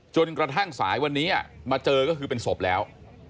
จนกระทั่งสายวันนี้มาเจอก็คือเป็นศพแล้ว